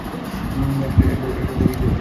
একবার দেখে এসে বলছি তোকে।